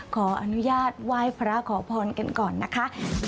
ขออนุญาตไหว้พระขอพรกันก่อนนะคะ